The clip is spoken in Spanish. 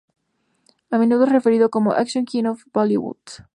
A menudo es referido como "Action King of Bollywood".